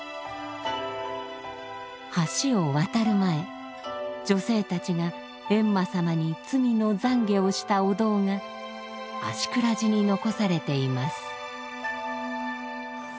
橋を渡る前女性たちが閻魔さまに罪の懺悔をしたお堂が芦峅寺に残されています。